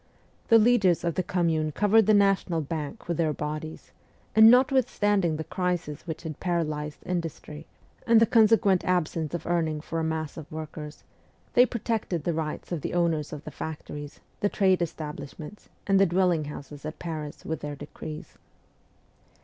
The leaders of the Commune covered the National Bank with their bodies, and notwithstanding the crisis which had paralysed industry, and the consequent absence of 78 MEMOIRS OF A REVOLUTIONIST earning for a mass of workers, they protected the rights of the owners of the factories, the trade establishments, and the dwelling houses at Paris with their decrees.